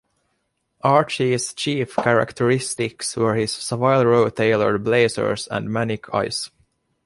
Archie's chief characteristics were his Savile Row-tailored blazers and manic eyes.